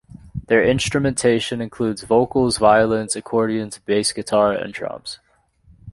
Their instrumentation includes vocals, violins, accordions, bass guitar, and drums.